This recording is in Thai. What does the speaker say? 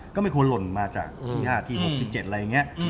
ก็ไม่ควรหล่นมาจากที๕ที๖ที๗อะไรอย่างเงี้ย